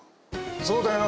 そうだよな？